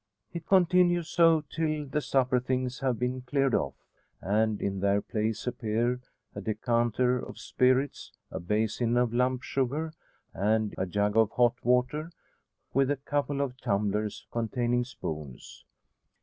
It continues so till the supper things have been cleared off; and in their place appear a decanter of spirits, a basin of lump sugar, and a jug of hot water, with a couple of tumblers containing spoons.